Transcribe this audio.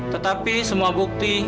tetapi semua bukti